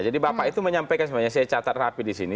jadi bapak itu menyampaikan sebenarnya saya catat rapi disini